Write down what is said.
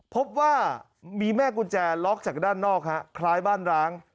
พบว่ามีแม่กุญแจล็อกจากด้านนอกฮะคล้ายบ้านร้าง